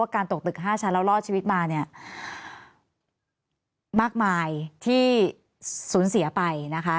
ตกตึก๕ชั้นแล้วรอดชีวิตมาเนี่ยมากมายที่สูญเสียไปนะคะ